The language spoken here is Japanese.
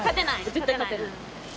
絶対勝てない。